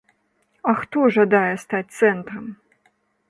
А хто жадае стаць цэнтрам?